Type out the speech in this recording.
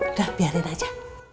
udah biarin aja